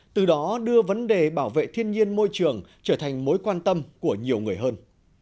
từ đó đưa vấn đề bảo vệ thiên nhiên môi trường trở thành mối quan tâm của nhiều người hơn